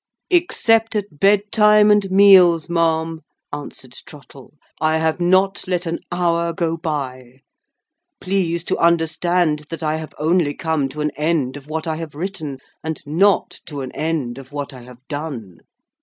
"Except at bed time, and meals, ma'am," answered Trottle, "I have not let an hour go by. Please to understand that I have only come to an end of what I have written, and not to an end of what I have done.